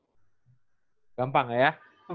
ini keren banget ya